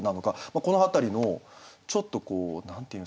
この辺りのちょっとこう何て言うんですかね。